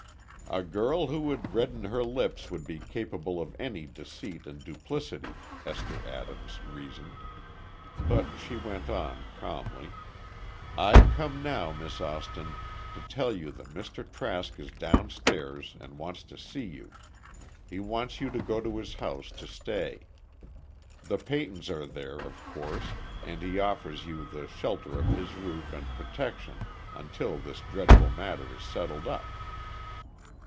"A girl who would redden her lips would be capable of any deceit and duplicity," Esther Adams reasoned. But she went on, calmly. "I come now, Miss Austin, to tell you that Mr. Trask is down stairs and wants to see you. He wants you to go to his house to stay. The Peytons are there, of course, and he offers you the shelter of his roof and protection until this dreadful matter is settled up."